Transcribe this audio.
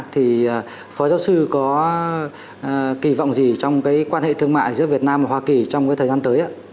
thì phó giáo sư có kỳ vọng gì trong cái quan hệ thương mại giữa việt nam và hoa kỳ trong cái thời gian tới